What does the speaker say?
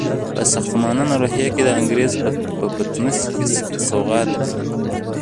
په سخاوتمندانه روحیه یې د انګریز په پطنوس کې سوغات کړې.